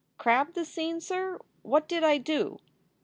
"Crab the scene, sir? What did I do?"